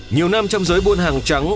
nhiều năm trong giới buôn hàng trắng